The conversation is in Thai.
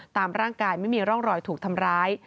ตามร่างกายไม่มีร่องรอยถูกทำร้าย